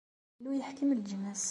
Illu yeḥkem leǧnas.